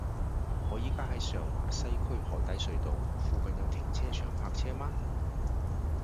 我依家喺上環西區海底隧道，附近有停車場泊車嗎